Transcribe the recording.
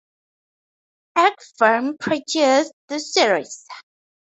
Egg Firm produced the series.